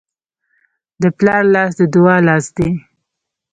د پلار لاس د دعا لاس دی.